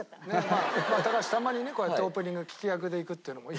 高橋たまにねこうやってオープニング聞き役でいくっていうのもいいでしょ？